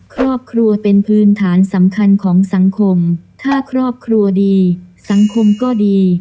ครอบครัวเป็นพื้นฐานสำคัญของสังคมถ้าครอบครัวดีสังคมก็ดี